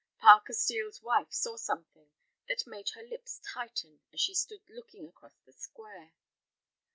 Parker Steel's wife saw something that made her lips tighten as she stood looking across the square.